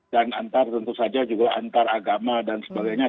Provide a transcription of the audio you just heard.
antar tentu saja juga antar agama dan sebagainya